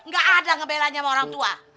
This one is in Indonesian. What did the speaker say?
gak ada ngebelanya sama orang tua